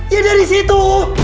ya dari situ